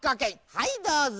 はいどうぞ。